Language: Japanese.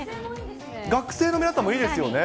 学生の皆さんもいいですよね。